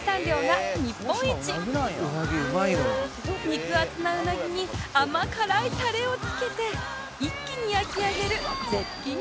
肉厚なうなぎに甘辛いタレをつけて一気に焼き上げる絶品グルメなんです